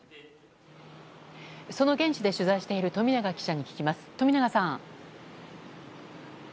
その現地で取材している富永記者に聞きます。